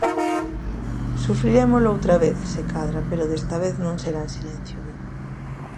Sufrirémolo outra vez, se cadra, pero desta vez non será en silencio, din.